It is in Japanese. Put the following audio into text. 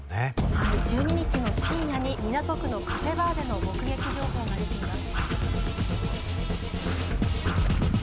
はい１２日の深夜に港区のカフェバーでの目撃情報が出ています。